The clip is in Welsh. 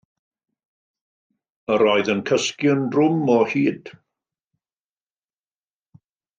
Yr oedd yn cysgu yn drwm o hyd.